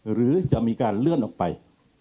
หรือจะมีการเลื่อนออกไป